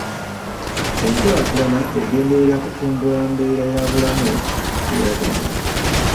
Enkulaakulana egenderera kutumbula mbeera ya bulamu eya buli muntu..